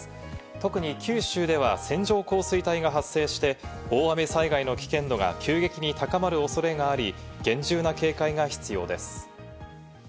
特に九州では線状降水帯が発生して、大雨災害の危険度が急激に高まる恐れがあり、厳重な警戒が必要です。